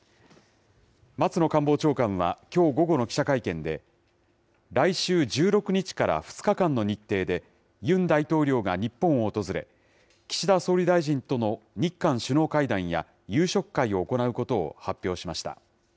松野官房長官はきょう午後の記者会見で、来週１６日から２日間の日程で、ユン大統領が日本を訪れ、岸田総理大臣との日韓首脳会談や夕食会を行うことを発表しました。